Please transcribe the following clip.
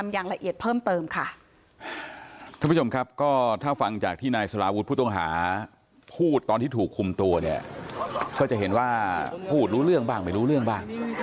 อยู่ตรงหาพูดตอนที่ถูกคุมตัวเขาจะเห็นว่าพูดรู้เรื่องบ้างไม่รู้เรื่องบ้าง